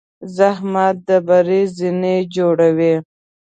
زحمت د بری زینې جوړوي.